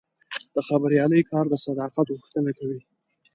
د خبریالۍ کار د صداقت غوښتنه کوي.